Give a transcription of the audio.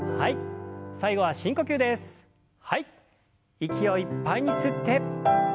息をいっぱいに吸って。